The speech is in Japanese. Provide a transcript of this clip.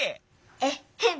えっへん！